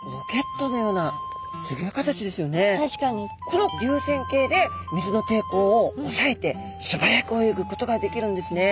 この流線形で水の抵抗をおさえてすばやく泳ぐことができるんですね。